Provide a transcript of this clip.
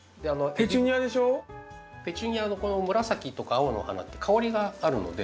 ペチュニアのこの紫とか青のお花って香りがあるので。